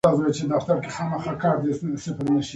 که تاسې وغواړئ هم د غولولو له لارې مخکې نه شئ تللای.